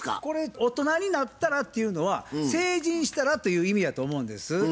これ大人になったらというのは成人したらという意味やと思うんです。